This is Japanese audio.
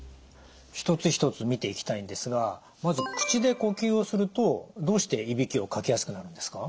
一つ一つ見ていきたいんですがまず口で呼吸をするとどうしていびきをかきやすくなるんですか？